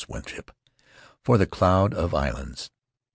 Winship, for the Cloud of 5\1 Islands.